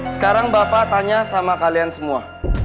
sekarang bapak tanya sama kalian semua